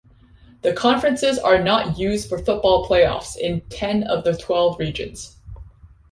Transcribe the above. The conferences are not used for football playoffs in ten of the twelve regions.